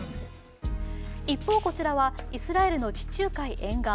一方、こちらはイスラエルの地中海沿岸。